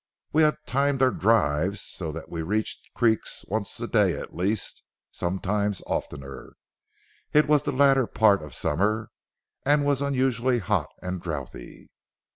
We had timed our drives so that we reached creeks once a day at least, sometimes oftener. It was the latter part of summer, and was unusually hot and drouthy.